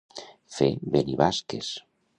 Fer venir basques.